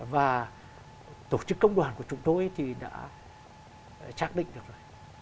và tổ chức công đoàn của chúng tôi thì đã chắc định được rồi